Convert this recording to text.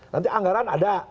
nanti anggaran ada